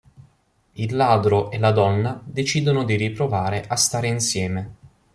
Il ladro e la donna decidono di riprovare a stare insieme.